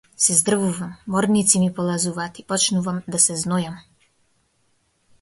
Се здрвувам, морници ми полазуваат и почнувам да се знојам.